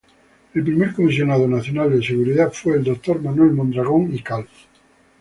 El primer Comisionado Nacional de Seguridad fue el Dr. Manuel Mondragón y Kalb.